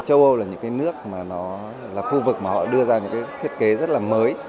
châu âu là những cái nước mà nó là khu vực mà họ đưa ra những cái thiết kế rất là mới